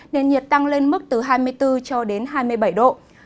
nền nhiệt tăng lên mức từ hai mươi bốn cho đến hai mươi bảy độ